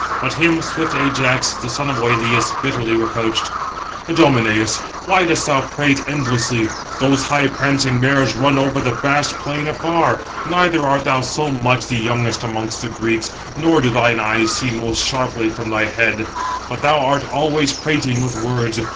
But him swift Ajax, the son of Oïleus, bitterly reproached: "Idomeneus, why dost thou prate endlessly? 755 Those high prancing mares run over the vast plain afar. Neither art thou so much the youngest amongst the Greeks, nor do thine eyes see most sharply from thy head: but thou art always prating with words.